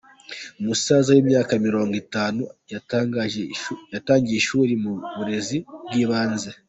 Umusaza w’imyaka Mirongo Itanu yatangiye ishuri mu burezi bw’ibanze